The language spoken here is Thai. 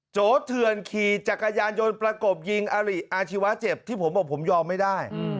โจเถื่อนขี่จักรยานยนต์ประกบยิงอาริอาชีวะเจ็บที่ผมบอกผมยอมไม่ได้